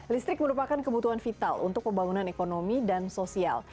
listrik merupakan kebutuhan vital untuk pembangunan ekonomi dan sosial